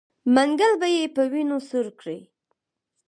منګل به یې په وینو سور کړي.